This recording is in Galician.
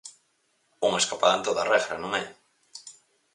-Unha escapada en toda regra, non é?